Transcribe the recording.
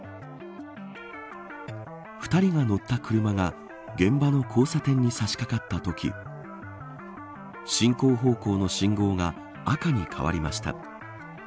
２人が乗った車が現場の交差点に差しかかったとき進行方向の信号が赤に変わりました。